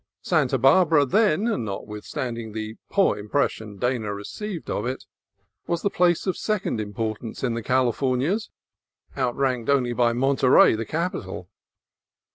Santa Barbara then, not withstanding the poor impression Dana received of it, was the place of second importance in the Califor nias, outranked only by Monterey, the capital.